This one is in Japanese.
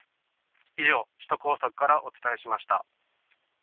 以上首都高速からお伝えしました。